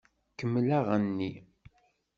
Kemmel aɣenni!